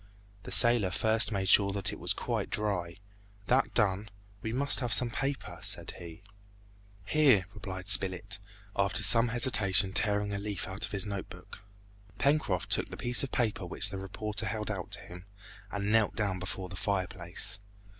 The sailor first made sure that it was quite dry; that done, "We must have some paper," said he. "Here," replied Spilett, after some hesitation tearing a leaf out of his note book. Pencroft took the piece of paper which the reporter held out to him, and knelt down before the fireplace.